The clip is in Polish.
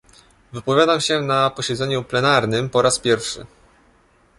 Wypowiadam się na posiedzeniu plenarnym po raz pierwszy